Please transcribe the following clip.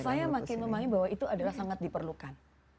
saya makin memahami bahwa itu adalah sangat diperlukan